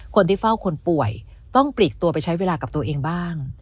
คนที่เฝ้าคนป่วยต้องปลีกตัวไปใช้เวลากับตัวเองบ้าง